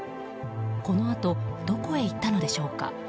このあとどこへ行ったのでしょうか。